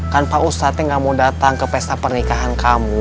kan pak ustadznya gak mau datang ke pesta pernikahan kamu